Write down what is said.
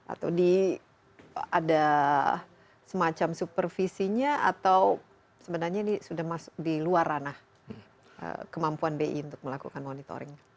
atau ada semacam supervisinya atau sebenarnya ini sudah masuk di luar ranah kemampuan bi untuk melakukan monitoring